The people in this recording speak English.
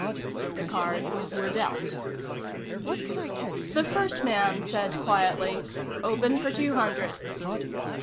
The cards were dealt. The first man said quietly: "Open for two hundred."